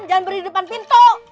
jangan berdiri di depan pintu